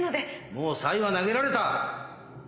もうさいは投げられた。